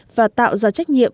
và tạo ra trách nhiệm